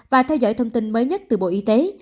và theo dõi thông tin mới nhất từ bộ y tế